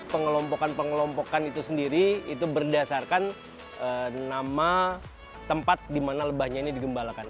pengelompokan pengelompokan itu sendiri itu berdasarkan nama tempat di mana lebahnya ini digembalakan